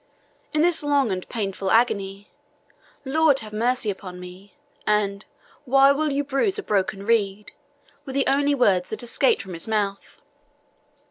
In this long and painful agony, "Lord, have mercy upon me!" and "Why will you bruise a broken reed?" were the only words that escaped from his mouth.